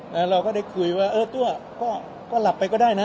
แล้วเราก็ได้คุยว่าเออตัวก็หลับไปก็ได้นะ